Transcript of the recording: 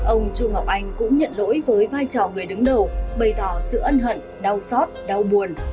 ông chu ngọc anh cũng nhận lỗi với vai trò người đứng đầu bày tỏ sự ân hận đau xót đau buồn